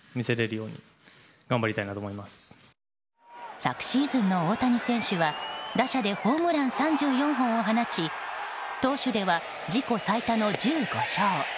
昨シーズンの大谷選手は打者でホームラン３４本を放ち投手では自己最多の１５勝。